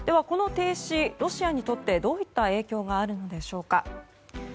この停止、ロシアにとってどういった影響があるのでしょうか。